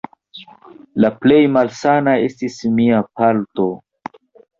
La plej malsana estis mia palto.